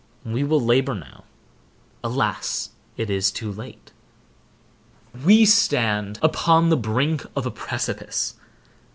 We will labor now. Alas, it is too late! We stand upon the brink of a precipice.